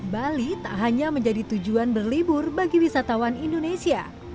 bali tak hanya menjadi tujuan berlibur bagi wisatawan indonesia